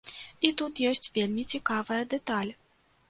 І тут ёсць вельмі цікавая дэталь.